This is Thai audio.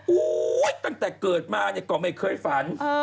โอ๊ยตั้งแต่เกิดมาก็ไม่เคยฝัน